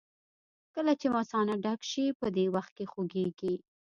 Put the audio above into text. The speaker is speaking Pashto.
کله چې مثانه ډکه شي په دې وخت کې خوږېږي.